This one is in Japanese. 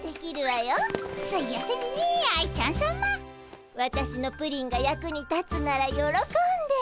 わたしのプリンが役に立つならよろこんで。